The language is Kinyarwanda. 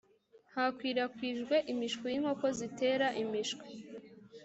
hakwirakwijwe imishwi y inkoko zitera imishwi